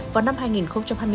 vào năm hai nghìn hai mươi bốn